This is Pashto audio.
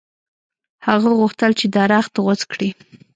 هغه غوښتل چې درخت غوڅ کړي.